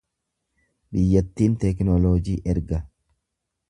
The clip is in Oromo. Biyyattiin teeknooloojii erga.